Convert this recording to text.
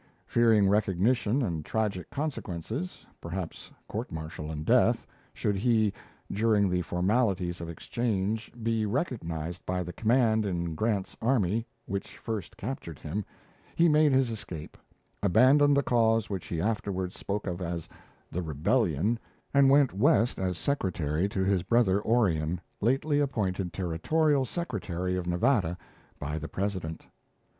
Fearing recognition and tragic consequences, perhaps courtmartial and death, should he, during the formalities of exchange, be recognized by the command in Grant's army which first captured him, he made his escape, abandoned the cause which he afterwards spoke of as "the rebellion," and went west as secretary to his brother Orion, lately appointed Territorial Secretary of Nevada by the President.